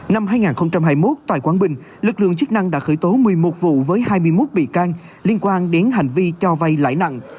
năm hai nghìn hai mươi một tại quảng bình lực lượng chức năng đã khởi tố một mươi một vụ với hai mươi một bị can liên quan đến hành vi cho vay lãi nặng